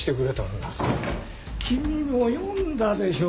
君も読んだでしょ